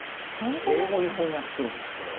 英語に翻訳するんですこれを。